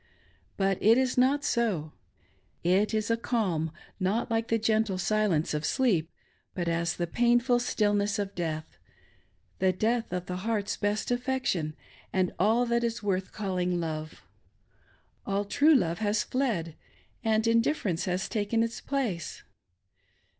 But it is not so. It is a calm not like the gentle silence of sleep, but as the painful stillness of death — the death of the heart's best affection and all that is worth calling love. All true love has fled, and indifference has taken its place.